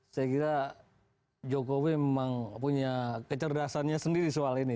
saya kira jokowi memang punya kecerdasannya sendiri soal ini